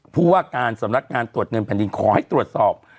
ผู้ว่าการสำนักงานตรวจเงินแผ่นดินขอให้ตรวจสอบ